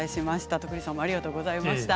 徳力さんもありがとうございました。